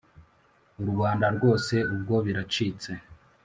u rwanda rwose ubwo biracitse